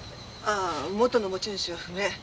ああ元の持ち主は不明。